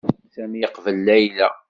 Sami yeqbel Layla.